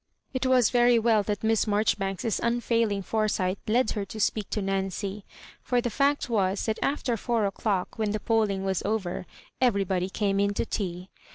It was very well that Miss Maijoribanks's unfeuling foresight led her to speak to Nancy; for the fact was, that after four o'clock, when the polling was over, everybody came in to tea.